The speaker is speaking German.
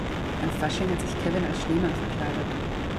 An Fasching hat sich Kevin als Schneemann verkleidet.